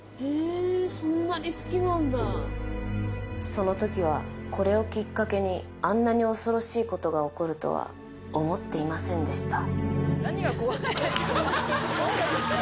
その時はこれをきっかけにあんなに恐ろしいことが起こるとは思っていませんでした